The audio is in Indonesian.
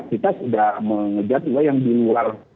kita sudah mengejar juga yang di luar